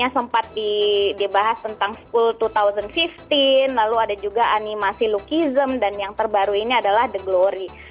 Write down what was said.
sempat dibahas tentang school dua ribu lima belas lalu ada juga animasi lukism dan yang terbaru ini adalah the glory